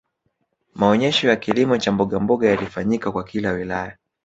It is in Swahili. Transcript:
maonesho ya kilimo cha mbogamboga yalifanyika kwa kila wilaya